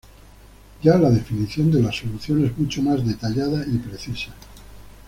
Ya la definición de la solución es mucho más detallada y precisa.